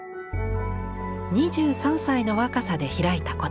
２３歳の若さで開いた個展。